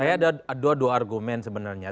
saya ada dua dua argumen sebenarnya